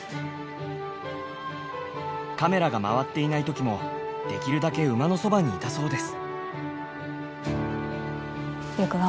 カメラが回っていない時もできるだけ馬のそばにいたそうです。